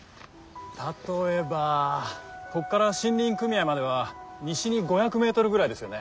例えばここから森林組合までは西に５００メートルぐらいですよね。